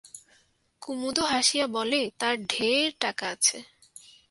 কুমুদও হাসিয়া বলে, তার ঢের টাকা আছে।